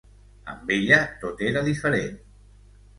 Amb ella tot era diferent.